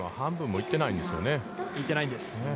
行ってないです。